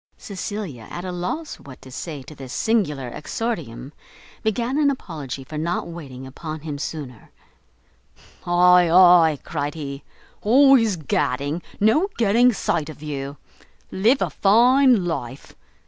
Cecilia, at a loss what to say to this singular exordium, began an apology for not waiting upon him sooner. "Ay, ay," cried he, "always gadding, no getting sight of you. Live a fine life!